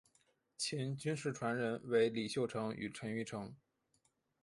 秦军事传人为李秀成与陈玉成。